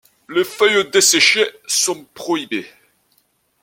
Les feuilles desséchées sont prohibées.